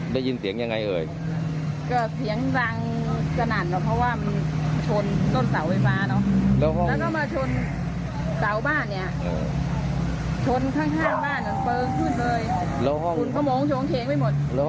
แล้วห้องนอนมีคนนอนไหมครับ